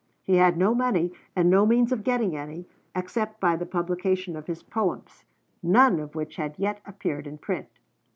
He had no money and no means of getting any, except by the publication of his poems, none of which had yet appeared in print.